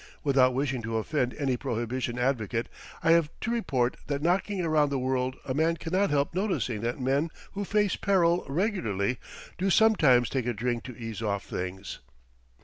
(Without wishing to offend any prohibition advocate, I have to report that knocking around the world a man cannot help noticing that men who face peril regularly do sometimes take a drink to ease off things.)